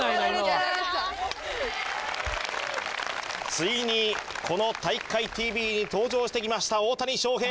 ついにこの「体育会ＴＶ」に登場してきました大谷翔平